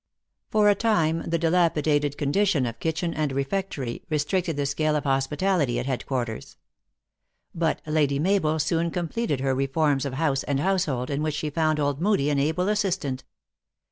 For a time the dilapidated condition of kitchen and refectory restricted the scale of hospitality at head quarters. But Lady Mabel soon completed her re forms of house and household, in which she found old Moodie an able assistant.